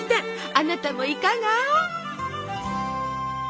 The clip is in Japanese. あなたもいかが？